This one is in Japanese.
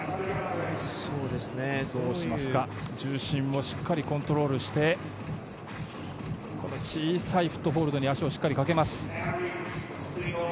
重心もしっかりコントロールして小さいフットホールドに足をしっかりかけます。